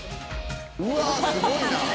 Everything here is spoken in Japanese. うわっすごいな！